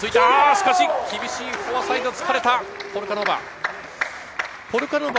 しかし、厳しいフォアサイド突かれた、ポルカノバ。